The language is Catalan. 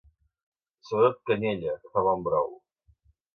Sobretot canyella, que fa bon brou!